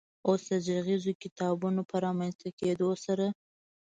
اوس د غږیزو کتابونو په رامنځ ته کېدو سره